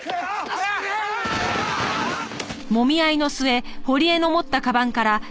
ああーっ！